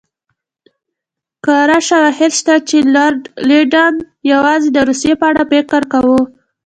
کره شواهد شته چې لارډ لیټن یوازې د روسیې په اړه فکر کاوه.